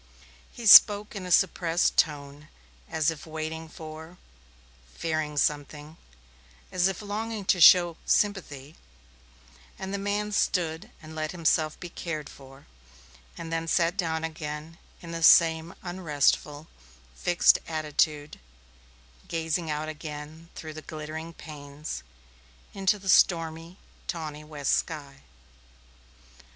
He spoke in a suppressed tone as if waiting for, fearing something, as if longing to show sympathy, and the man stood and let himself be cared for, and then sat down again in the same unrestful, fixed attitude, gazing out again through the glittering panes into the stormy, tawny west sky.